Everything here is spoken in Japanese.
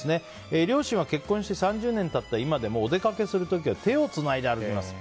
両親は結婚して３０年経った今でもお出かけする時は手をつないで歩きます。